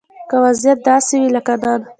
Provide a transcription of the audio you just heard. که وضيعت داسې وي لکه نن